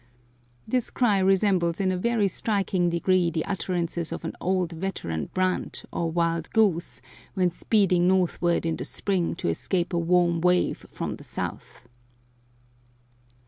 This cry resembles in a very striking degree the utterances of an old veteran brant, or wild goose, when speeding northward in the spring to escape a warm wave from the south.